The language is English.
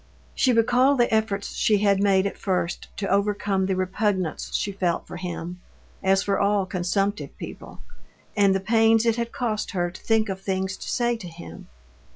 She recalled the efforts she had made at first to overcome the repugnance she felt for him, as for all consumptive people, and the pains it had cost her to think of things to say to him.